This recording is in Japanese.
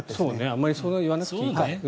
あまり言わなくていいか。